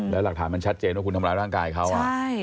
แล้วหลักฐานมันชัดเจนว่าคุณทำร้ายร่างกายเขา